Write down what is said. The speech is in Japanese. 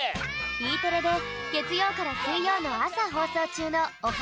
Ｅテレでげつようからすいようのあさほうそうちゅうの「オハ！